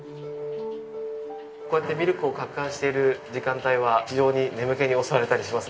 こうやってミルクを撹拌している時間帯は非常に眠気に襲われたりします。